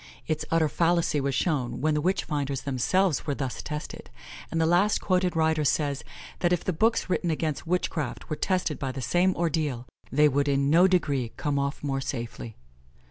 Its utter fallacy was shown when the witch finders themselves were thus tested; and the last quoted writer says, that if the books written against witchcraft were tested by the same ordeal, they would in no degree come off more safely.